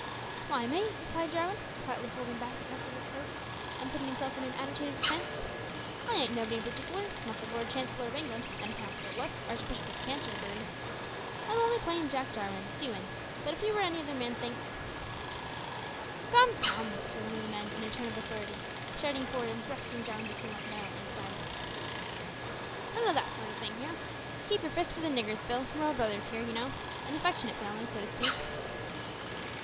"Why, mate," replied Jarwin, quietly folding back the cuffs of his coat, and putting himself in an attitude of defence, "I ain't nobody in partikler, not the Lord Chancellor o' England, anyhow still less the Archbishop of Canterbury. I'm only plain Jack Jarwin, seaman, but if you or any other man thinks " "Come, come," cried one of the men in a tone of authority, starting forward and thrusting Jarwin's assailant violently aside, "none o' that sort o' thing here. Keep your fists for the niggers, Bill, we're all brothers here, you know; an affectionate family, so to speak!"